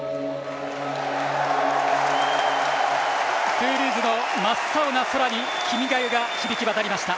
トゥールーズの真っ青な空に「君が代」が響き渡りました。